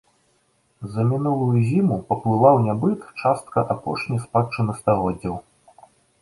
За мінулую зіму паплыла ў нябыт частка апошняй спадчыны стагоддзяў.